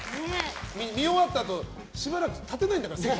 見終わったあとしばらく立てないんだから。